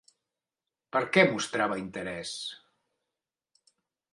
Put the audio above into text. Per què mostrava interès?